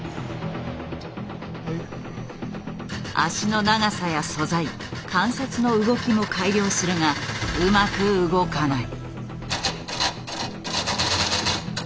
脚の長さや素材関節の動きも改良するがうまく動かない。